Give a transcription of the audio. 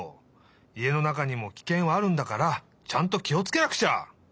家の中にもキケンはあるんだからちゃんときをつけなくちゃ！